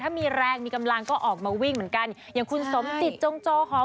ถ้ามีแรงมีกำลังก็ออกมาวิ่งเหมือนกันอย่างคุณสมจิตจงโจหอม